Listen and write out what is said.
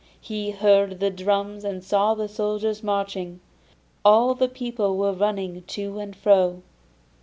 He heard the drums and saw the soldiers marching; all the people were running to and fro.